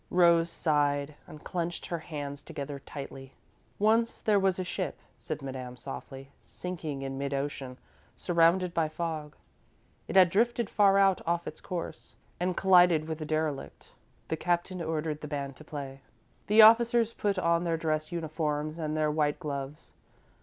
Rose sighed and clenched her hands together tightly. "Once there was a ship," said Madame, softly, "sinking in mid ocean, surrounded by fog. It had drifted far out of its course, and collided with a derelict. The captain ordered the band to play, the officers put on their dress uniforms and their white gloves.